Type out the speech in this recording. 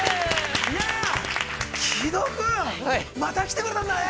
木戸君、また来てくれたんだね。